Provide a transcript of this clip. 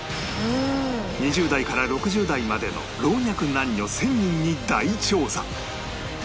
２０代から６０代までの老若男女１０００人に大調査